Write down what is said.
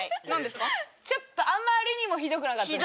ちょっとあまりにもひどくなかった？